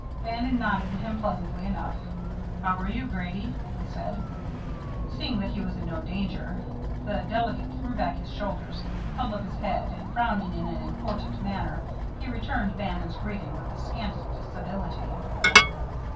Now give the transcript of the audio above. Bannon nodded to him pleasantly enough. "How are you, Grady?" he said. Seeing that he was in no danger, the delegate threw back his shoulders, held up his head, and, frowning in an important manner, he returned Bannon's greeting with the scantest civility.